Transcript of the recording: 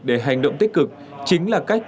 để hành động tích cực chính là cách